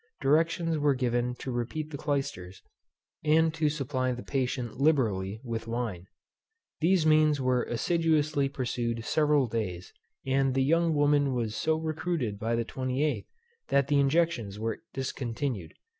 Directions were given to repeat the clysters, and to supply the patient liberally with wine. These means were assiduously pursued several days; and the young woman was so recruited by the 28th, that the injections were discontinued.